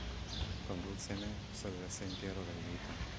Conduce me sur le sentiero del vita.